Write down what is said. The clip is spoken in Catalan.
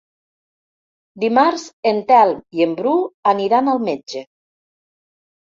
Dimarts en Telm i en Bru aniran al metge.